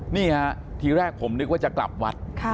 นี่ฮะทีแรกผมนึกว่าจะกลับวัด